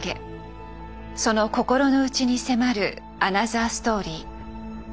その心の内に迫るアナザーストーリー。